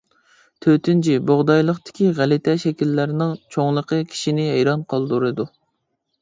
تۆتىنچى بۇغدايلىقتىكى غەلىتە شەكىللەرنىڭ چوڭلۇقى كىشىنى ھەيران قالدۇرىدۇ.